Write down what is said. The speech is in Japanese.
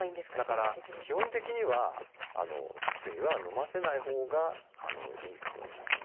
基本的には薬はのませないほうがいいと思います。